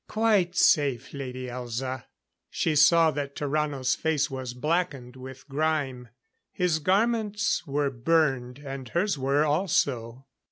"Quite safe, Lady Elza." She saw that Tarrano's face was blackened with grime. His garments were burned, and hers were also.